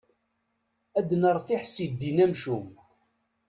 Ad nertiḥ si ddin amcum.